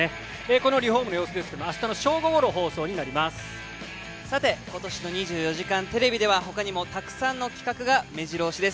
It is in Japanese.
このリフォームの様子ですけれども、あしたのさて、ことしの２４時間テレビでは、ほかにもたくさんの企画がめじろ押しです。